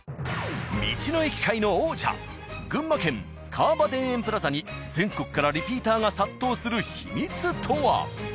道の駅界の王者群馬県川場田園プラザに全国からリピーターが殺到する秘密とは？